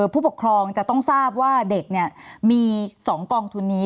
ผู้ปกครองจะต้องทราบว่าเด็กมี๒กองทุนนี้